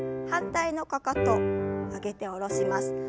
反対のかかと上げて下ろします。